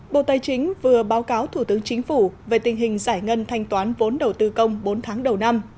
bộ tài chính vừa báo cáo thủ tướng chính phủ về tình hình giải ngân thanh toán vốn đầu tư công bốn tháng đầu năm